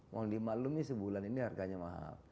uang di maklumnya sebulan ini harganya mahal